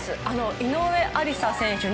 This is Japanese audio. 井上愛里沙選手